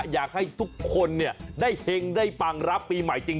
อยากให้ทุกคนได้เห็งได้ปังรับปีใหม่จริง